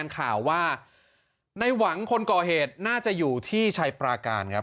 ข่าวว่าในหวังคนก่อเหตุน่าจะอยู่ที่ชัยปราการครับ